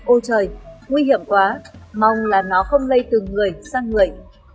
ô trời nguy hiểm quá mong là nó không lây từ người sang người